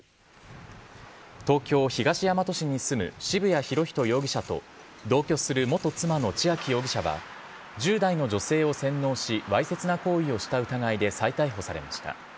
東京・東大和市に住む渋谷博仁容疑者と同居する元妻の千秋容疑者は、１０代の女性を洗脳し、わいせつな行為をした疑いで再逮捕されました。